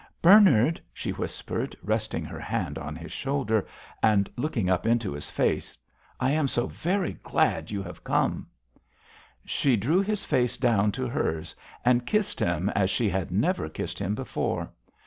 "Bernard," she whispered, resting her hand on his shoulder, and looking up into his face, "I am so very glad you have come!" She drew his face down to hers and kissed him as she had never kissed him before.